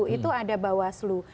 itu ada bawah slu